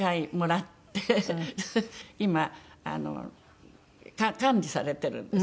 今管理されてるんです。